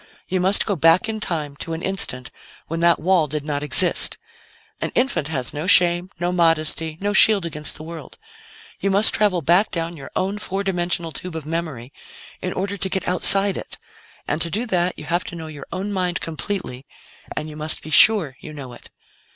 You must go back in time to an instant when that wall did not exist. An infant has no shame, no modesty, no shield against the world. You must travel back down your own four dimensional tube of memory in order to get outside it, and to do that, you have to know your own mind completely, and you must be sure you know it.